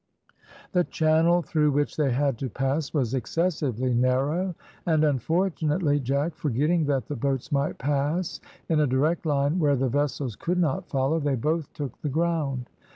The channel through which they had to pass was excessively narrow, and, unfortunately, Jack, forgetting that the boats might pass in a direct line where the vessels could not follow, they both took the ground.